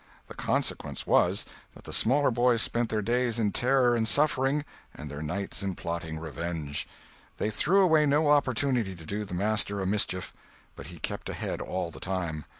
The consequence was, that the smaller boys spent their days in terror and suffering and their nights in plotting revenge. They threw away no opportunity to do the master a mischief. But he kept ahead all the time.